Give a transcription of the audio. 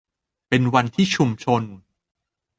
เป็นวันที่ชุมชน